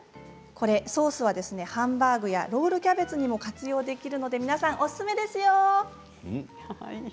ソースはハンバーグやロールキャベツにも活用できるので皆さんおすすめですよ。